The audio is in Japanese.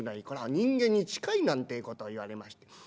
これは人間に近いなんてこと言われまして。